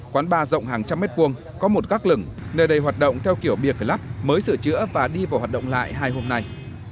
quán ba rộng hàng trăm mét vuông có một gác lửng nơi đây hoạt động theo kiểu beer club mới sửa chữa và đi vào hoạt động lại hai hôm nay